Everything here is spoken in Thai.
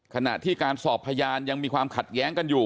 ขณะที่การสอบพยานยังมีความขัดแย้งกันอยู่